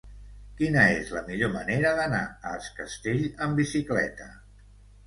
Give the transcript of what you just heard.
Quina és la millor manera d'anar a Es Castell amb bicicleta?